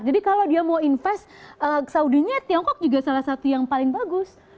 jadi kalau dia mau invest saudinya tiongkok juga salah satu yang paling bagus